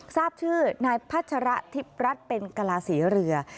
ทราบชื่อนายพัชระธิปรัสเป็นกลาเสียเรือ